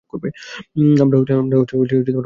আমরা গল্প করছিলাম।